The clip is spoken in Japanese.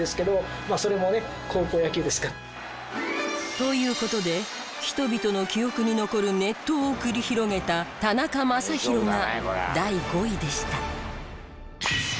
という事で人々の記憶に残る熱闘を繰り広げた田中将大が第５位でした。